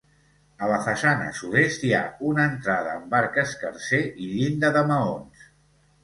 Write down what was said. A la façana sud-est, hi ha una entrada amb arc escarser i llinda de maons.